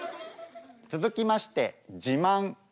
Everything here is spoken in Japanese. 続きまして「自慢」。